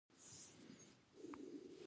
افغانستان د کلیو له پلوه یو متنوع هېواد دی.